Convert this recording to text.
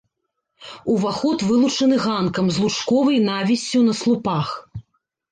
Уваход вылучаны ганкам з лучковай навіссю на слупах.